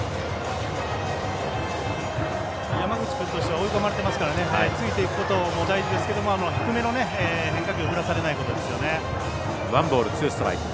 追い込まれてますからついていくことも大事ですけど低めの変化球振らされないことですよね。